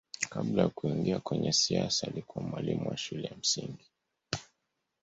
kabla ya kuingia kwenye siasa alikuwa mwalimu wa shule ya msingi